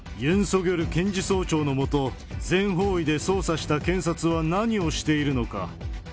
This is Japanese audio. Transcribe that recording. ソギョル検事総長の下、全方位で捜査した検察は何をしているのか。